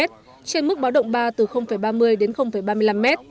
trên mức báo động ba từ ba mươi đến ba mươi năm m